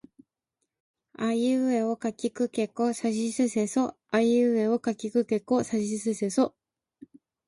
あいうえおかきくけこさしすせそあいうえおかきくけこさしすせそ